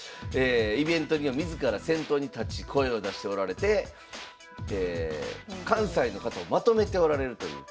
イベントには自ら先頭に立ち声を出しておられて関西の方をまとめておられるという。